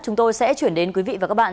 chúng tôi sẽ chuyển đến quý vị và các bạn